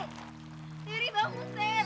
teri bangun ter